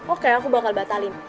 oke aku bakal batalin